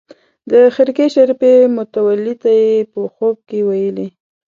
د خرقې شریفې متولي ته یې په خوب کې ویلي.